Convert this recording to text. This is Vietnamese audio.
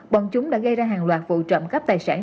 bọn chúng đã gây ra hàng loạt vụ trộm cắp tài sản